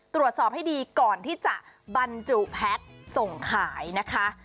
ตรวจสอบให้ดีก่อนที่จะบรรจุแพ็คส่งขายนะคะ